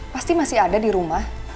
pasti masih ada di rumah